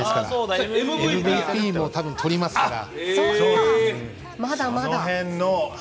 ＭＶＰも多分、とりますから。